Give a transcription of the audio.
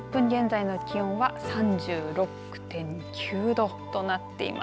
１時４０分現在の気温は３６．９度となっています。